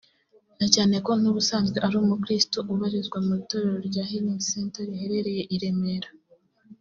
na cyane ko n'ubusanzwe ari umukristo ubarizwa mu itorero rya Healing Centre riherereye i Remera